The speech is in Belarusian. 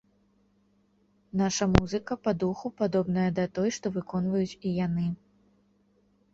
Наша музыка па духу падобная да той, што выконваюць і яны.